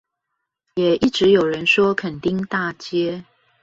也一直有人說墾丁大街